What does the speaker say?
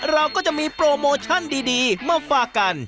เราก็จะมีโปรโมชั่นดีมาฝากกัน